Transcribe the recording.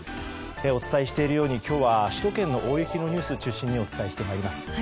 お伝えしているように今日は首都圏の大雪のニュースを中心にお伝えしてまいります。